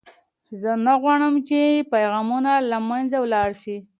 زه نه غواړم چې پیغامونه له منځه ولاړ شي.